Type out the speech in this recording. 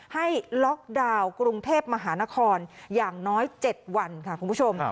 ให้ล็อกดาวน์กรุงเทพมหานครอย่างน้อย๗วันค่ะคุณผู้ชม